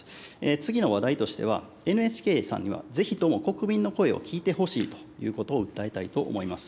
次の話題としては、ＮＨＫさんには、ぜひとも国民の声を聞いてほしいということを訴えたいと思います。